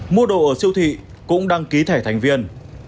mua đồ ở siêu thị cũng đăng ký thẻ thành viên